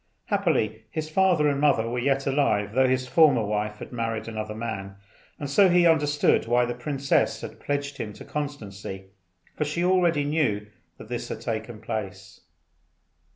Happily his father and mother were yet alive, though his former wife had married another man; and so he understood why the princess had pledged him to constancy, for she already knew that this had taken place.